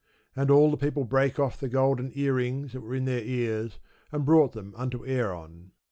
And all the people brake off the golden earrings which were in their ears, and brought them unto Aaron.